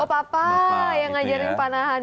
oh bapak yang ngajarin penahan